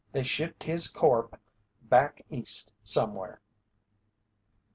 They shipped his corp' back East somewhere."